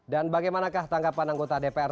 dan bagaimanakah tanggapan anggota dpr